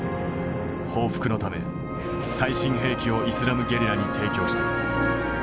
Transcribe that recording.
報復のため最新兵器をイスラムゲリラに提供した。